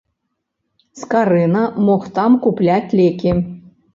Скарына мог там купляць лекі.